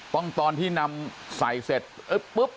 ตอนที่นำใส่เสร็จปุ๊บ